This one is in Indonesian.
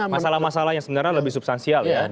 masalah masalah yang sebenarnya lebih substansial ya